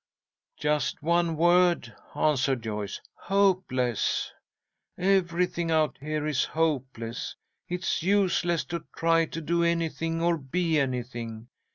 "Just one word," answered Joyce, "'Hopeless!' Everything out here is hopeless. It's useless to try to do anything or be anything.